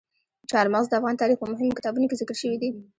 چار مغز د افغان تاریخ په مهمو کتابونو کې ذکر شوي دي.